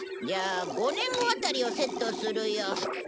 じゃあ５年後あたりをセットするよ。